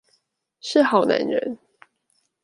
是好男人